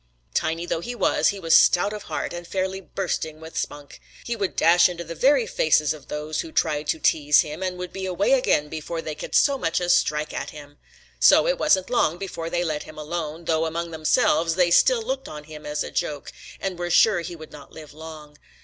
"Tiny though he was, he was stout of heart and fairly bursting with spunk. He would dash into the very faces of those who tried to tease him and would be away again before they could so much as strike at him. So it wasn't long before they let him alone, though among themselves they still looked on him as a joke and were sure he would not live long.